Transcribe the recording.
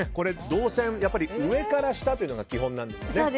動線が上から下というのが基本なんですね。